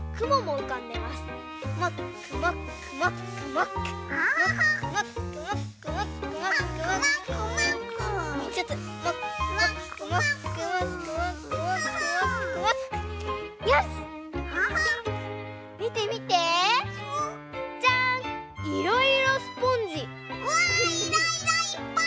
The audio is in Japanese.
うわいろいろいっぱい！